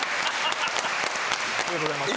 ありがとうございます。